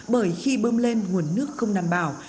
bởi khi bơm lên nguồn nước không đảm bảo